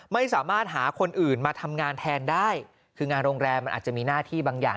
ไม่สามารถหาคนอื่นมาทำงานแทนได้คืองานโรงแรมมันอาจจะมีหน้าที่บางอย่าง